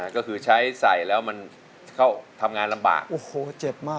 ก็คือใช้ใส่แล้วมันเข้าทำงานลำบากโอ้โหเจ็บมาก